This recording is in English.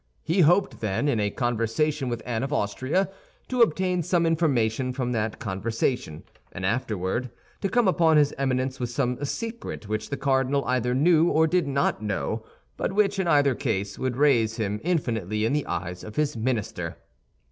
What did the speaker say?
He hoped, then, in a conversation with Anne of Austria, to obtain some information from that conversation, and afterward to come upon his Eminence with some secret which the cardinal either knew or did not know, but which, in either case, would raise him infinitely in the eyes of his minister.